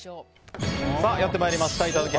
やってまいりましたいただき！